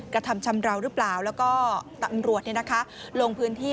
กระทำชำราวหรือเปล่าแล้วก็ตำรวจลงพื้นที่